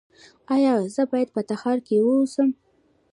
ایا زه باید په تخار کې اوسم؟